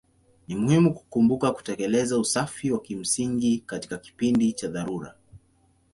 Ni muhimu kukumbuka kutekeleza usafi wa kimsingi katika kipindi cha dharura.